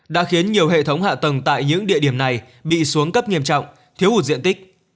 đã khiến nhiều hệ thống hạ tầng tại những địa điểm này bị xuống cấp nghiêm trọng thiếu hụt diện tích